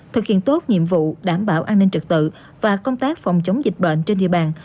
thực hiện tốt nhiệm vụ đảm bảo an ninh trực tự và công tác phòng chống dịch bệnh trên địa bàn